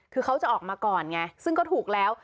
คือเขาจะออกมาก่อนไงซึ่งก็ถูกแล้ว